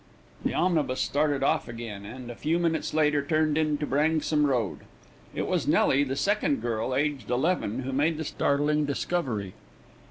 The omnibus started off again, and a few minutes later turned into Branksome Road. It was Nelly, the second girl, aged eleven, who made the startling discovery.